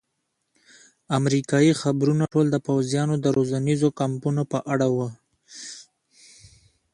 امریکایي خبرونه ټول د پوځیانو د روزنیزو کمپونو په اړه وو.